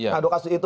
nah dua kasus itu